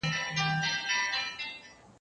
ما د سبا لپاره د لغتونو زده کړه کړې ده!